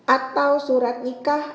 atau surat nikah